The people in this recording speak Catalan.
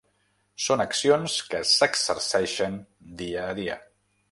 Són accions que s’exerceixen dia a dia.